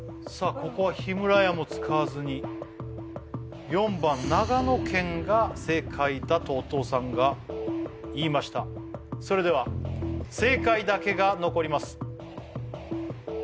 ここはヒムラヤも使わずに４番長野県が正解だとお父さんが言いましたそれでは正解だけが残ります